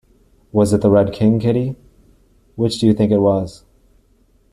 Was it the Red King, Kitty? Which do you think it was?